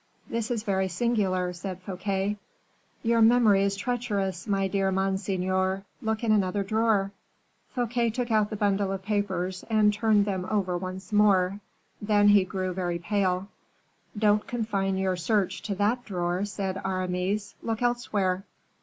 "This is very singular," said Fouquet. "Your memory is treacherous, my dear monseigneur; look in another drawer." Fouquet took out the bundle of papers, and turned them over once more; he then grew very pale. "Don't confine your search to that drawer," said Aramis; "look elsewhere."